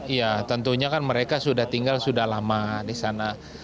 ya tentunya kan mereka sudah tinggal sudah lama di sana